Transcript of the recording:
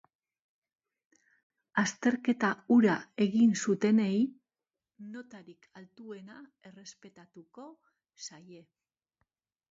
Azterketa hura egin zutenei notarik altuena errespetatuko zaie.